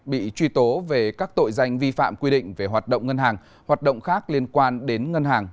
bị truy tố về các tội danh vi phạm quy định về hoạt động ngân hàng hoạt động khác liên quan đến ngân hàng